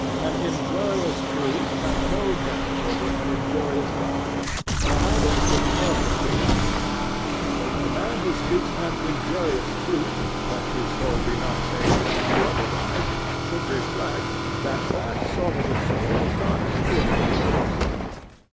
An injurious truth has no merit over an injurious lie. Neither should ever be uttered. The man who speaks an injurious truth lest his soul be not saved if he do otherwise, should reflect that that sort of a soul is not strictly worth saving.